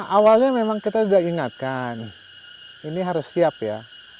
awalnya memang kita sudah ingatkan ini harus siap ya